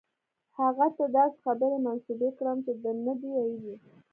هغه ته داسې خبرې منسوبې کړم چې ده نه دي ویلي.